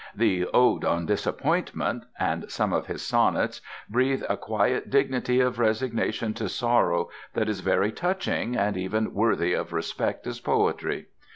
The "Ode on Disappointment," and some of his sonnets, breathe a quiet dignity of resignation to sorrow that is very touching and even worthy of respect as poetry.